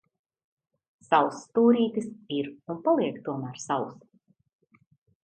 Savs stūrītis ir un paliek tomēr savs.